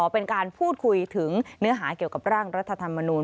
เป็นการพูดคุยถึงเนื้อหาเกี่ยวกับร่างรัฐธรรมนูล